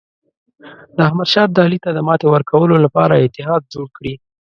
د احمدشاه ابدالي ته د ماتې ورکولو لپاره اتحاد جوړ کړي.